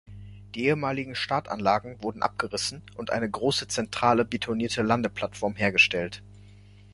Die ehemaligen Startanlagen wurden abgerissen und eine große zentrale betonierte Landeplattform hergestellt.